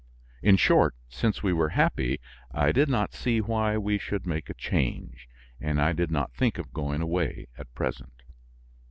In short, since we were happy, I did not see why we should make a change; and I did not think of going away at present.